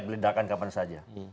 beledarkan kapan saja